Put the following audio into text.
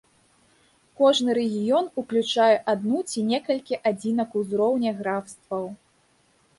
Кожны рэгіён уключае адну ці некалькі адзінак узроўня графстваў.